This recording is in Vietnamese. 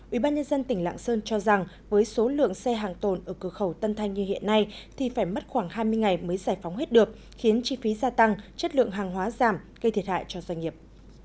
ubnd tỉnh lạng sơn cho rằng với số lượng xe hàng tồn ở cửa khẩu tân thanh như hiện nay thì phải mất khoảng hai mươi ngày mới giải phóng hết được khiến chi phí gia tăng chất lượng hàng hóa giảm gây thiệt hại cho doanh nghiệp